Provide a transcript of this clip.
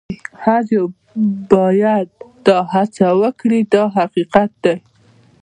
هر یو باید دا هڅه وکړي دا حقیقت دی.